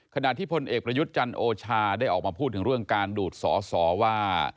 ขณะที่พลเอกประยุทธ์จันโอชาได้ออกมาพูดถึงเรื่องการดูดสอสอว่า